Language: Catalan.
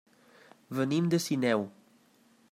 Venim de Sineu.